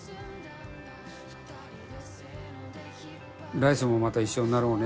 「来世もまた一緒になろうね」